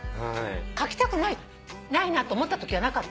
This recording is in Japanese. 描きたくないなって思ったときはなかったの？